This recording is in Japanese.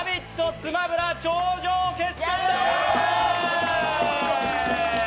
「スマブラ」頂上決戦です。